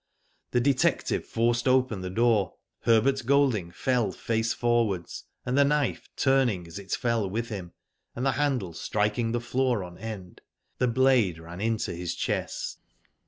The detective forced open the door, Herbert Golding fell face forwards, and the knife turning as it fell with him, and the handle striking the floor on end, the blade ran into his chest.